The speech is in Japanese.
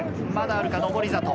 まだあるか。